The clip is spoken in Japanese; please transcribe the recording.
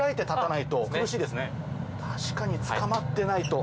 確かにつかまってないと。